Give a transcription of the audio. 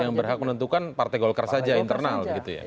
yang berhak menentukan partai golkar saja internal